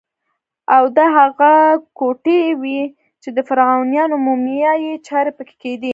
او دا هغه کوټې وې چې د فرعونیانو مومیایي چارې پکې کېدې.